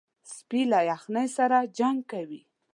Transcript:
سپي له یخنۍ سره جنګ کوي.